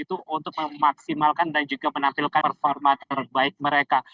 itu untuk memaksimalkan dan juga menampilkan performa terbaik mereka